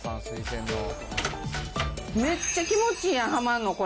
めっちゃ気持ちいいやん、はまんの、これ。